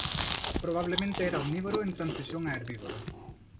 Probablemente era omnívoro en transición a herbívoro.